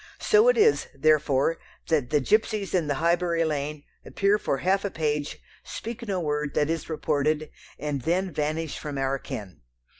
So it is, therefore, that the gipsies in the Highbury lane appear for half a page, speak no word that is reported, and then vanish from our ken.